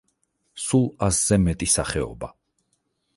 სულ ასზე მეტი სახეობა.